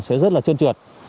sẽ rất là trơn trượt